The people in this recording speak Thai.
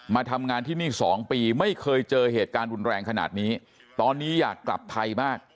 มาทำงานที่นี่๒ปีไม่เคยเจอเหตุการณ์รุนแรงขนาดนี้ตอนนี้อยากกลับไทยมาก